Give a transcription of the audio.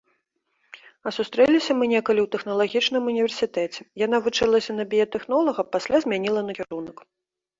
А сустрэліся мы некалі ў тэхналагічным універсітэце, яна вучылася на біятэхнолага, пасля змяніла накірунак.